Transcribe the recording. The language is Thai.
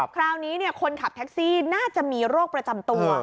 คราวนี้คนขับแท็กซี่น่าจะมีโรคประจำตัว